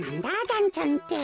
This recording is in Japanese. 「だんちゃん」って。